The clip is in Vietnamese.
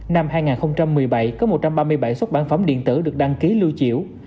năm hai nghìn một mươi bảy có một trăm ba mươi bảy xuất bản phẩm điện tử được đăng ký lưu triểu